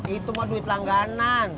itu mah duit langganan